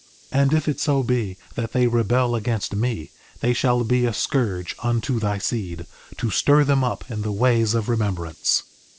2:24 And if it so be that they rebel against me, they shall be a scourge unto thy seed, to stir them up in the ways of remembrance.